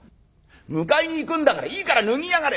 迎えに行くんだからいいから脱ぎやがれ！」